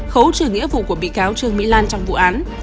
khấu trừ nghĩa vụ của bị cáo trương mỹ lan trong vụ án